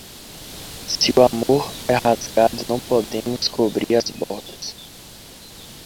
Se o amor é rasgado, não podemos cobrir as bordas.